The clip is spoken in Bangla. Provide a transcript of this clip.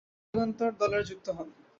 তিনি যুগান্তর দলের যুক্ত হন।